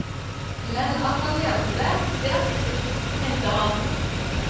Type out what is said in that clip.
Men at han mente det, det er sikkert, tenkte han.